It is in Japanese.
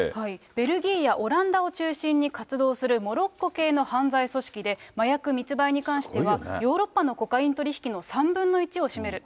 ベルギーやオランダを中心に活動するモロッコ系の犯罪組織で、麻薬密売に関しては、ヨーロッパのコカイン取り引きの３分の１を占める。